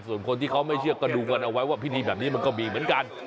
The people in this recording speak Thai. ส่วนคนที่เขาไม่เชื่อก็ดูกันเอาไว้ว่าพิธีแบบนี้มันก็มีเหมือนกัน